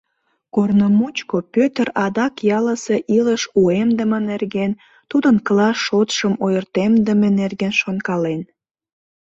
Корно мучко Пӧтыр адак ялысе илыш уэмдыме нерген, тудын класс шотшым ойыртемдыме нерген шонкален.